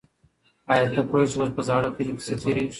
آیا ته پوهېږې چې اوس په زاړه کلي کې څه تېرېږي؟